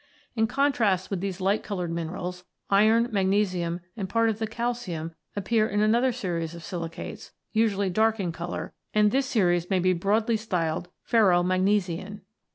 In contrast with these light coloured minerals, iron, mag nesium, and part of the calcium, appear in another series of silicates, usually dark in colour, and this series may be broadly styled "ferromagnesian."